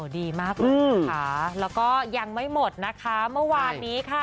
ดีมากเลยนะคะแล้วก็ยังไม่หมดนะคะเมื่อวานนี้ค่ะ